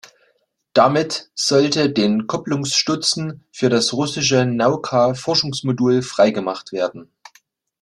Damit sollte den Kopplungsstutzen für das russische Nauka-Forschungsmodul freigemacht werden.